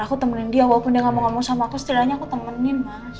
aku temenin dia walaupun dia gak mau ngomong sama aku setidaknya aku temenin mas